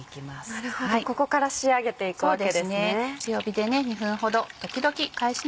なるほどここから仕上げていくわけですね。